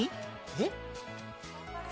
えっ？